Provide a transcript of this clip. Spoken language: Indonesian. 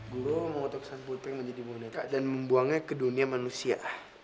guru mengutuk sang putri menjadi boneka dan membuangnya ke dunia manusia